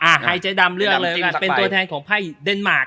อ่าหายใจดำเรื่องเป็นต้นแทนของไภ่เดนมาร์ค